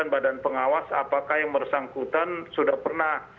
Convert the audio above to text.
badan pengawas apakah yang bersangkutan sudah pernah